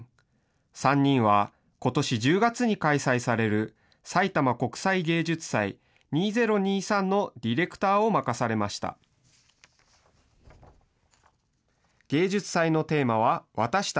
３人はことし１０月に開催される、さいたま国際芸術祭２０２３のディレクターを任されました。